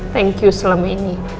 thank you selama ini